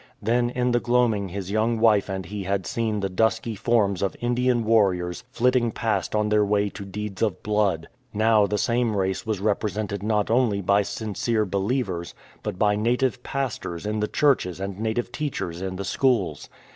Then in the gloaming his young wife and he had seen the dusky forms of Indian warriors flitting past on their way to deeds of blood. Now the same race was represented not only by sincere believers, but by native pastors in the churches and native teachers in the schools.